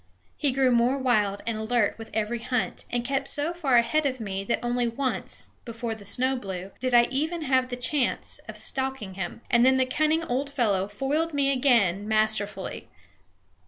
He grew more wild and alert with every hunt, and kept so far ahead of me that only once, before the snow blew, did I have even the chance of stalking him, and then the cunning old fellow foiled me again masterfully.